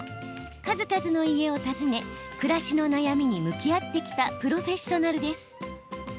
数々の家を訪ね暮らしの悩みに向き合ってきたプロフェッショナルです。